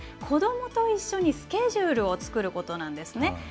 子どもと一緒にスケジュールを作ることなんですね。